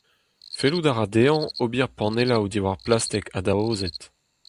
Fellout a ra dezhañ ober panelloù diwar blastik adaozet.